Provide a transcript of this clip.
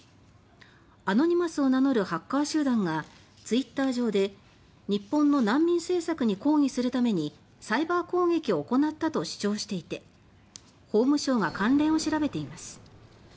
アノニマスを名乗るハッカー集団がツイッター上で日本の難民政策に抗議するためにサイバー攻撃を行ったと主張していて法務省が関連を調べています。